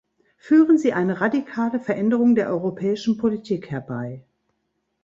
Führen Sie eine radikale Veränderung der europäischen Politik herbei.